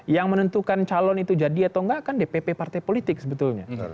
yang menentukan calon itu jadi atau enggak kan dpp partai politik sebetulnya